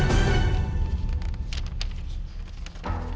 aku mau ke rumah